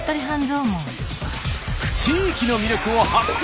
地域の魅力を発掘！